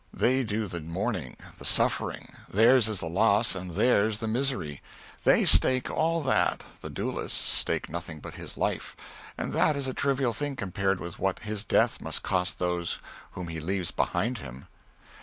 They do the mourning, the suffering, theirs is the loss and theirs the misery. They stake all that, the duellist stakes nothing but his life, and that is a trivial thing compared with what his death must cost those whom he leaves behind him.